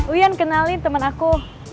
uyan kenalin temen aku